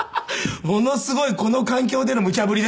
ものすごいこの環境でのむちゃ振りですよ